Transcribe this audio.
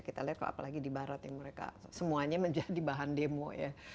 kita lihat kalau apalagi di barat yang mereka semuanya menjadi bahan demo ya